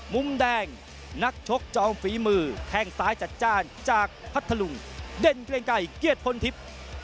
มุมแดงนักชกจอมฝีมือแข้งซ้ายจัดจ้านจากพัทธลุงเด่นเกรงไก่เกียรติพลทิพย์